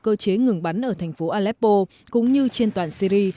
cơ chế ngừng bắn ở thành phố aleppo cũng như trên toàn syri